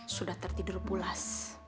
sudah tertidur pulas